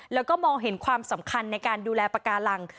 แล้วก็มองเห็นความสำคัญในการดูแลปากการัง